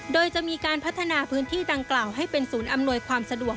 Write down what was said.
โดยจะมีการพัฒนาพื้นที่ดังกล่าวให้เป็นศูนย์อำนวยความสะดวก